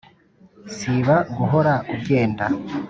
siba guhora ugenda